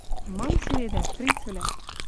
Мам сиредӓ, фрицвлӓ?